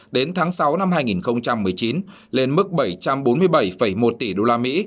đến tháng sáu năm hai nghìn một mươi chín lên mức bảy trăm bốn mươi bảy một tỷ usd